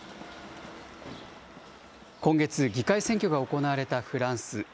今月、議会選挙が行われたフランス。